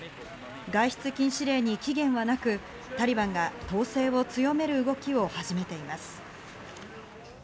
外出禁止令に期限はなく、タリバンが統制を強める動きを始めています。